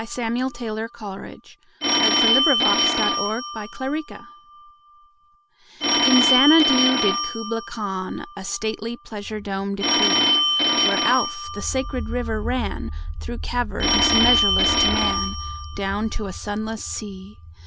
Samuel Taylor Coleridge. 1772–1834 550. Kubla Khan IN Xanadu did Kubla Khan A stately pleasure dome decree: Where Alph, the sacred river, ran Through caverns measureless to man Down to a sunless sea.